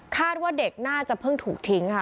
ว่าเด็กน่าจะเพิ่งถูกทิ้งค่ะ